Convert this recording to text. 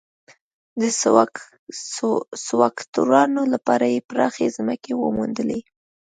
د سکواټورانو لپاره یې پراخې ځمکې وموندلې.